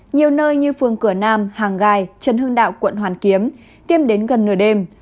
nhiều nơi như phường cửa nam hàng gai trần hưng đạo quận hoàn kiếm tiêm đến gần nửa đêm